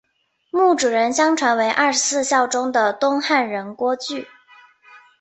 墓主人相传为二十四孝中的东汉人郭巨。